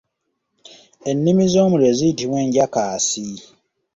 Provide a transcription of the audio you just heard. Ennimi z'omuliro ziyitibwa enjakaasi.